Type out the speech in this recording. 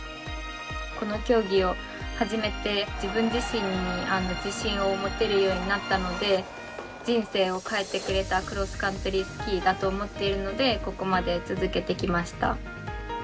この競技を始めて、自分自身に自信を持てるようになったので人生を変えてくれたクロスカントリースキーだと思っているのでここまで続けてきました。